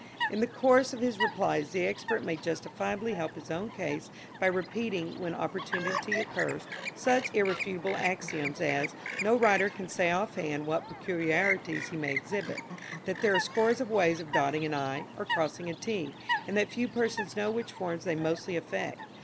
In the course of his replies the expert may justifiably help his own case by repeating, when opportunity occurs, such irrefutable axioms as, No writer can say off hand what peculiarities he may exhibit; that there are scores of ways of dotting an i, or crossing a t, and that few persons know which form they mostly affect.